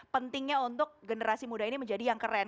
pentingnya untuk generasi muda ini menjadi yang keren